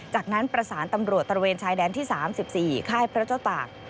จากนั้นประสานตำรวจตระเวนชายแดนที่๓๔ค่ายพระเจ้าตาก